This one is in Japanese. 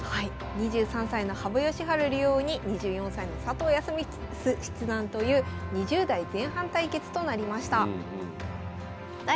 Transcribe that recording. ２３歳の羽生善治竜王に２４歳の佐藤康光七段という２０代前半対決となりました。